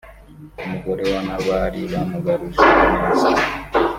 umugore wa Nabali wamugaruje ineza